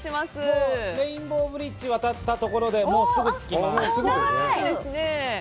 もうレインボーブリッジ渡ったところでもうすぐ着きます。